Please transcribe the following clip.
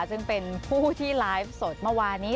ซึ่งเป็นผู้ที่ไลฟ์สดเมื่อวานี้